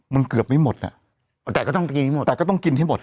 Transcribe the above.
มันเกือบไม่หมดแต่ก็ต้องกินที่หมด